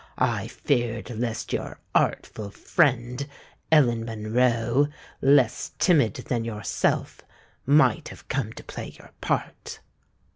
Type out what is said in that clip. I feared lest your artful friend, Ellen Monroe, less timid than yourself, might have come to play your part."